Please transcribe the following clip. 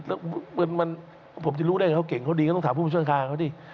แล้วผมจะรู้ได้ไงเขาเก่งเขาดีก็ต้องถามผู้ช่วยการเขาดิ